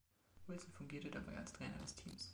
Wilson fungierte dabei als Trainer des Teams.